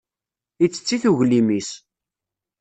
Ittett-it uglim-is.